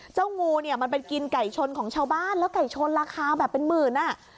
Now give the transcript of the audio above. งูเนี่ยมันไปกินไก่ชนของชาวบ้านแล้วไก่ชนราคาแบบเป็นหมื่นอ่ะ